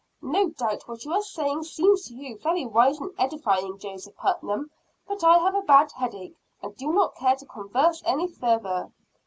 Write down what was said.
"No doubt what you are saying seems to you very wise and edifying, Joseph Putnam, but I have a bad headache, and do not care to converse any further."